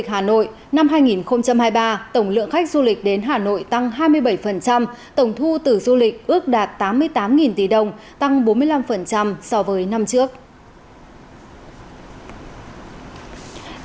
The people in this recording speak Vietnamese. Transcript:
tổng lượng khách du lịch hà nội năm hai nghìn hai mươi ba tổng lượng khách du lịch đến hà nội tăng hai mươi bảy tổng thu từ du lịch ước đạt tám mươi tám tỷ đồng tăng bốn mươi năm so với năm trước